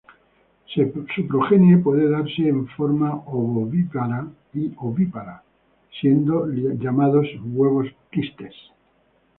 Su progenie puede darse en forma ovovivípara y ovípara, siendo llamados sus huevos quistes.